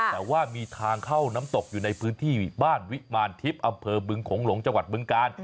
แต่ว่ามีทางเข้าน้ำตกอยู่ในพื้นที่บ้านวิมารทิพย์อำเภอบึงโขงหลงจังหวัดบึงกาล